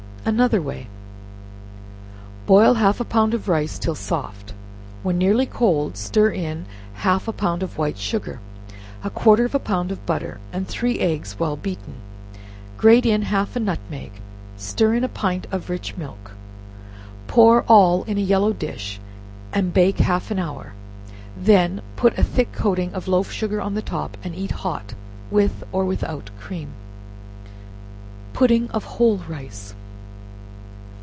Another Way. Boil half a pound of rice till soft, when nearly cold stir in half a pound of white sugar, a quarter of a pound of butter, and three eggs well beaten; grate in half a nutmeg, stir in a pint of rich milk; pour all in a yellow dish and bake half an hour; then, put a thick coating of loaf sugar on the top, and eat hot, with or without cream. Pudding Of Whole Rice.